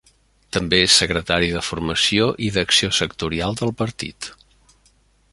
També és secretari de Formació i d'Acció Sectorial del Partit.